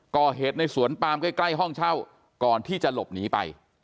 ก่อเหตุในสวนปามใกล้ห้องเช่าก่อนที่จะหลบหนีไป